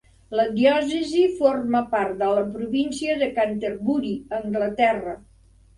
La diòcesi forma part de la província de Canterbury a Anglaterra.